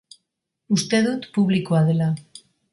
Uste dut publikoa dela.